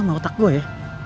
sama otak gua ya